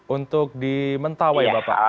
untuk di mentawai bapak